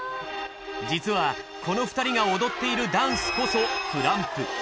実はこの２人が踊っているダンスこそＫＲＵＭＰ。